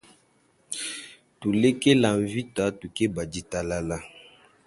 Tulekela mvita tukeba ditalala.